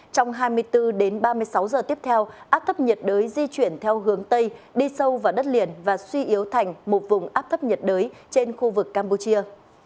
trong hai mươi bốn đến ba mươi sáu giờ tiếp theo áp thấp nhiệt đới di chuyển theo hướng tây đi sâu vào đất liền và suy yếu thành một vùng áp thấp nhiệt đới trên khu vực campuchia